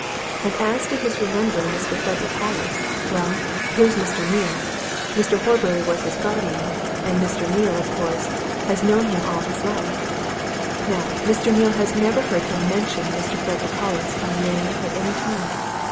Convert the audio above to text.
And as to his remembering Mr. Frederick Hollis, well, here's Mr. Neale Mr. Horbury was his guardian and Mr. Neale, of course, has known him all his life. Now, Mr. Neale never heard him mention Mr. Frederick Hollis by name at any time.